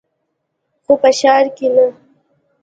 خو په ښار کښې نه.